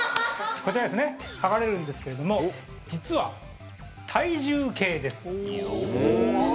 こちらですね剥がれるんですけれども実は、体重計です。